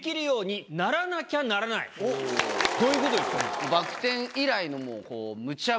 どういうことですか？